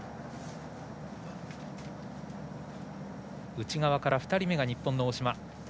内側から２人目が日本の大島。